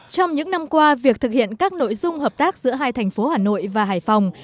trong những năm qua việc thực hiện các nội dung hợp tác giữa hai thành phố hà nội và hải phòng